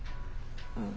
うん。